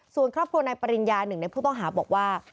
ส่วนครอบครัวนายปริญญาหนึ่งในผู้ต้องหาบอกว่า